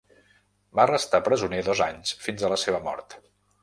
Va restar presoner dos anys fins a la seva mort.